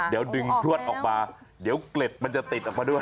เดี๋ยวดึงพลวดออกมาเดี๋ยวเกล็ดมันจะติดออกมาด้วย